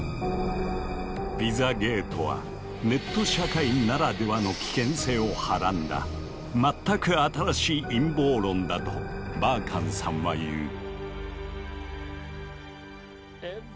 「ピザゲート」はネット社会ならではの危険性をはらんだ全く新しい陰謀論だとバーカンさんは言う。